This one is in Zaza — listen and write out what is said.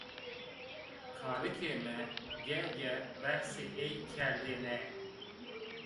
Kalikê mi ge-ge behsê ey kerdêne.